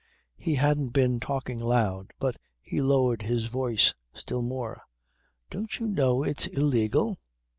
He hadn't been talking loud but he lowered his voice still more. "Don't you know it's illegal?"